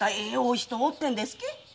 お人おってんですけえ？